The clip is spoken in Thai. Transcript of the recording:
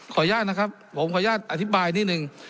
ขออนุญาตนะครับผมขออนุญาตอธิบายนิดนึง